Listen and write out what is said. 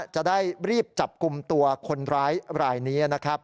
จะได้รีบจับกลุ่มตัวคนร้ายรายนี้นะครับ